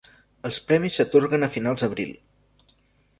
Els premis s'atorguen a finals d'abril.